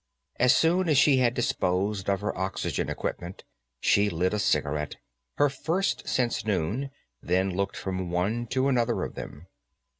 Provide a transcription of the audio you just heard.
As soon as she had disposed of her oxygen equipment, she lit a cigarette, her first since noon, then looked from one to another of them.